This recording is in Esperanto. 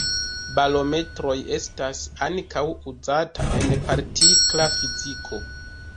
Bolometroj estas ankaŭ uzata en partikla fiziko.